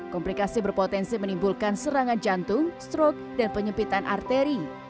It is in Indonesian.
komplikasi berpotensi menimbulkan serangan jantung stroke dan penyempitan arteri